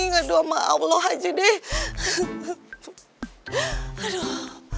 ngadu sama allah aja deh